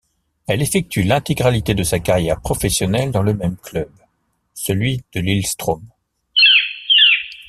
Elle effectue l'intégralité de sa carrière professionnelle dans le même club, celui de Lillestrøm.